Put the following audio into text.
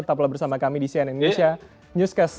tetap berada bersama kami di cnn indonesia newscast